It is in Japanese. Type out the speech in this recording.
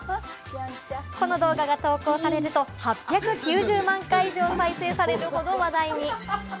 この動画が投稿されると、８９０万回以上再生されるほど話題に。